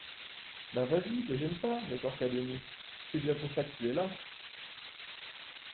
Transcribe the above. Ben, vas-y, te gêne pas, rétorqua Denis, c’est déjà pour ça que tu es là.